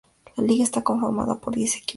La liga está conformada por diez equipos.